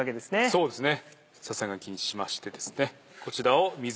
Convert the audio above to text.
そうですね。